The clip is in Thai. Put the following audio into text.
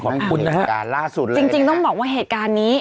ของคุณเหตุการณ์ล่าสุดเลยจริงจริงต้องบอกว่าเหตุการณ์นี้